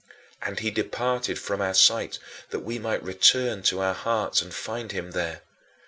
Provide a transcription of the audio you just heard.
And he departed from our sight that we might return to our hearts and find him there.